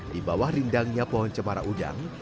di bawah rindangnya pohon cemara udang